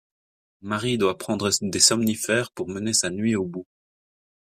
Marie doit prendre des somnifères pour mener sa nuit au bout.